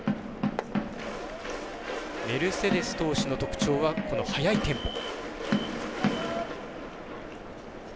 メルセデス投手の特徴は速いテンポ。